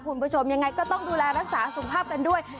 คุณผู้ชมยังไงก็ต้องดูแลรักษาสุขภาพกันด้วย